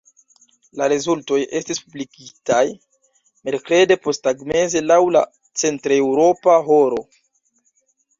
La rezultoj estis publikigitaj merkrede posttagmeze laŭ la centreŭropa horo.